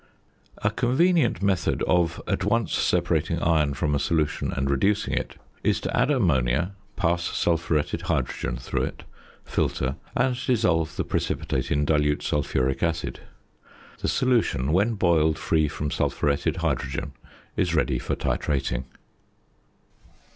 A convenient method of at once separating iron from a solution and reducing it, is to add ammonia, pass sulphuretted hydrogen through it, filter, and dissolve the precipitate in dilute sulphuric acid. The solution, when boiled free from sulphuretted hydrogen, is ready for titrating.